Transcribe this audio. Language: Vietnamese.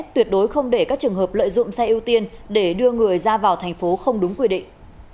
tuyệt đối không để các trường hợp lợi dụng xe ưu tiên để đưa người ra vào thành phố không đúng quy định